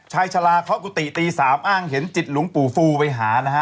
ชาลาเคาะกุฏิตี๓อ้างเห็นจิตหลวงปู่ฟูไปหานะฮะ